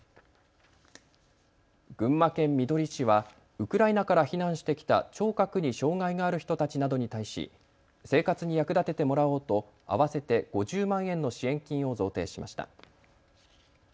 群馬県みどり市はウクライナから避難してきた聴覚に障害がある人たちなどに対し生活に役立ててもらおうと合わせて５０万円の支援金を贈呈しました。